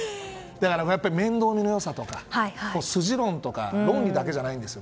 だから、面倒見の良さとか筋論とか論理だけじゃないんです。